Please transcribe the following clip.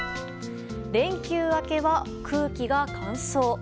連休明けは空気が乾燥。